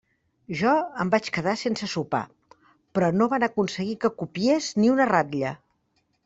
Jo em vaig quedar sense sopar, però no van aconseguir que copiés ni una ratlla.